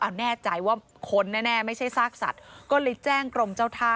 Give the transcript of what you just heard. เอาแน่ใจว่าคนแน่ไม่ใช่ซากสัตว์ก็เลยแจ้งกรมเจ้าท่า